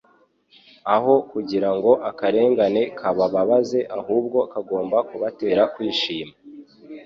Aho kugira ngo akarengane kabababaze ahubwo kagomba kubatera Kwishima.